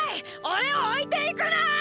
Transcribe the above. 俺を置いて行くな！